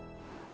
baik bu nisa